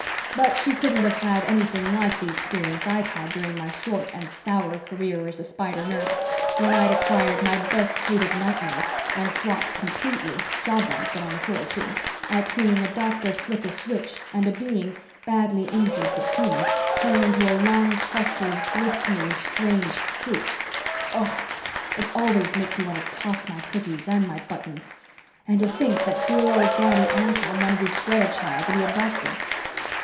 But she couldn't have had anything like the experience I'd had during my short and sour career as a Spider nurse, when I'd acquired my best hated nightmare and flopped completely (jobwise, but on the floor, too) at seeing a doctor flick a switch and a being, badly injured but human, turn into a long cluster of glistening strange fruit ugh, it always makes me want to toss my cookies and my buttons. And to think that dear old Daddy Anton wanted his Greta chile to be a doctor.